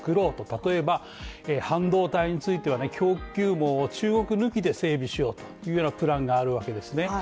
例えば半導体については、供給網を中国抜きで整備しようというプランがあるわけですね。